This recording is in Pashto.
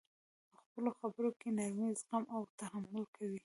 په خپلو خبر کي نرمي، زغم او تحمل کوئ!